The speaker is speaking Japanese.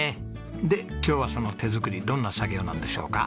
で今日はその手作りどんな作業なんでしょうか。